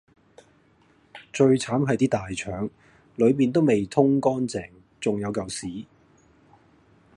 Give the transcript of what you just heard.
最慘係啲大腸，裡面都未通乾淨，重有嚿屎